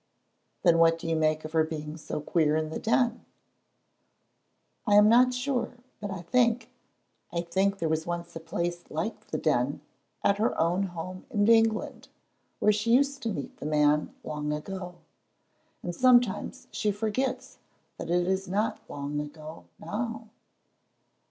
"Then what do you make of her being so queer in the Den?" "I am not sure, but I think I think there was once a place like the Den at her own home in England, where she used to meet the man long ago, and sometimes she forgets that it is not long ago now."